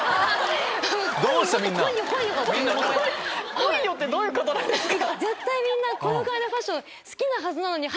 来いよ！ってどういうことなんですか？